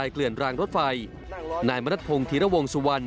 เกลื่อนรางรถไฟนายมณัฐพงศ์ธีรวงสุวรรณ